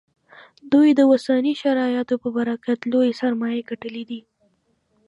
دوی د اوسنیو شرایطو په برکت لویې سرمایې ګټلې دي